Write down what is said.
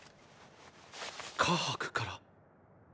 カハクから？